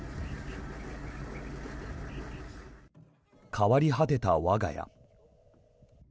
変わり果てた我が家。